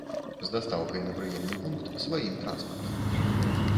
З дастаўкай на прыёмны пункт сваім транспартам.